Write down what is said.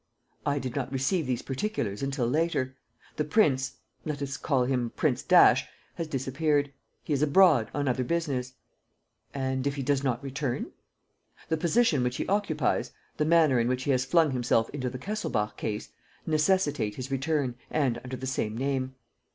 "I did not receive these particulars until later. The prince let us call him Prince Dash has disappeared. He is abroad, on other business." "And, if he does not return ..." "The position which he occupies, the manner in which he has flung himself into the Kesselbach case, necessitate his return and under the same name."